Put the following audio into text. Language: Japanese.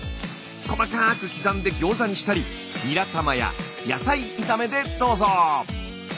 細かく刻んでギョーザにしたりニラ玉や野菜炒めでどうぞ！